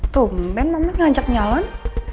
tumben mama ngajak nyalon